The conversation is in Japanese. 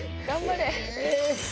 頑張れ！